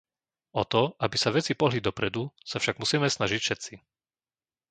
O to, aby sa veci pohli dopredu, sa však musíme snažiť všetci.